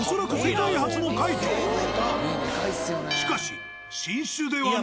しかし。